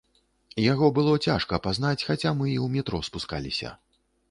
Яго было цяжка пазнаць, хаця мы і ў метро спускаліся.